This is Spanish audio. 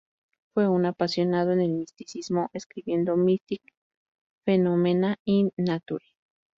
Fue un apasionado en el misticismo, escribiendo "Mystic Phenomena in Nature"